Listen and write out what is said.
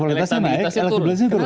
popularitasnya naik elektabilitasnya turun